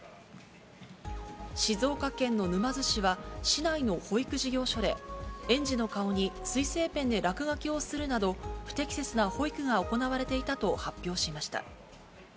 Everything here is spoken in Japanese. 静岡県の沼津市は、市内の保育事業所で、園児の顔に水性ペンで落書きをするなど、不適切な保育が行われていたと発表しました。